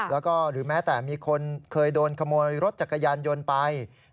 แล้วก็หรือแม้แต่มีคนเคยโดนขโมยรถจักรยานยนต์ไป